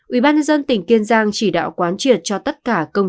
ubnd tỉnh kiên giang chỉ đạo quán triệt cho tất cả công